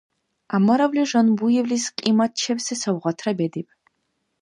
ГӀямаровли Жанбуевлис кьиматчебси савгъатра бедиб.